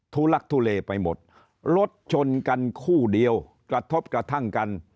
ลักทุเลไปหมดรถชนกันคู่เดียวกระทบกระทั่งกัน